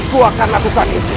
aku akan lakukan itu